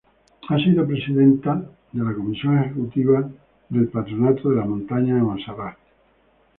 Ha sido presidente de la comisión ejecutiva del Patronato de la Montaña de Montserrat.